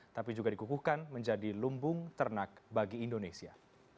tapi juga dikukuhkan menjadi lumbung ternak bagi indonesia